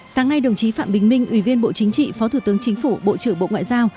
sáng nay đồng chí phạm bình minh ủy viên bộ chính trị phó thủ tướng chính phủ bộ trưởng bộ ngoại giao